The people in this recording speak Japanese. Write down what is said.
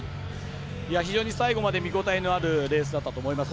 非常に最後まで見応えのあるレースだったと思います。